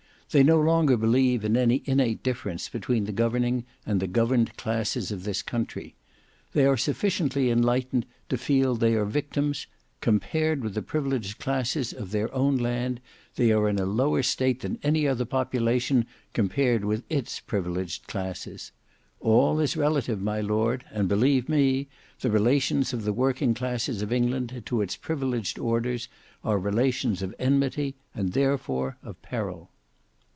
They no longer believe in any innate difference between the governing and the governed classes of this country. They are sufficiently enlightened to feel they are victims. Compared with the privileged classes of their own land, they are in a lower state than any other population compared with its privileged classes. All is relative, my lord, and believe me, the relations of the working classes of England to its privileged orders are relations of enmity, and therefore of peril."